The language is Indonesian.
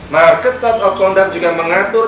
market kotak kontak juga mengatur